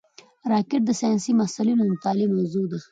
راکټ د ساینسي محصلینو د مطالعې موضوع ده